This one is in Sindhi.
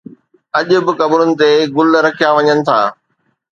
اڄ به قبرن تي گل رکيا وڃن ٿا